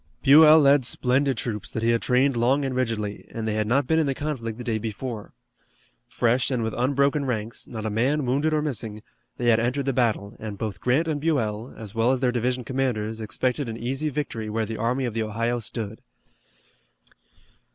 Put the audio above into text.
Buell led splendid troops that he had trained long and rigidly, and they had not been in the conflict the day before. Fresh and with unbroken ranks, not a man wounded or missing, they had entered the battle and both Grant and Buell, as well as their division commanders, expected an easy victory where the Army of the Ohio stood.